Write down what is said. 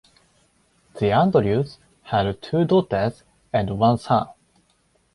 The Andrews had two daughters and one son.